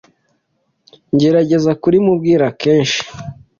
gerageza kurimubwira kenshi